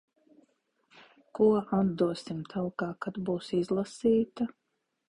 Ko atdosim talkā, kad būs izlasīta.